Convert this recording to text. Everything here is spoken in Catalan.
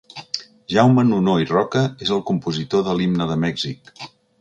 Jaume Nunó i Roca és el compositor de l'himne de Mèxic.